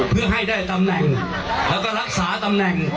เพื่อให้ได้ตำแหน่งแล้วก็รักษาตำแหน่ง